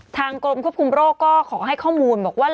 กรมควบคุมโรคก็ขอให้ข้อมูลบอกว่า